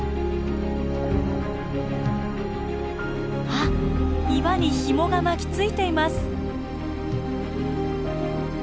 あっ岩にヒモが巻きついています。